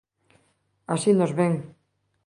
Así nos ven.